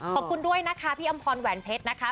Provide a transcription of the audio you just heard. ขอบคุณด้วยนะคะพี่อำพรแหวนเพชรนะคะ